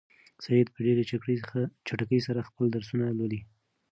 سعید په ډېرې چټکۍ سره خپل درسونه لولي.